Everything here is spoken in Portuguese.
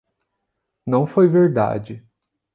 Não foi verdade.